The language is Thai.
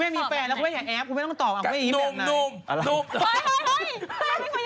แต่ไม่เป็นใครฟเรียแอปไม่ต้องตอบยังไง